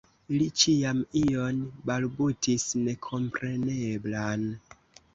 Li ĉiam ion balbutis nekompreneblan.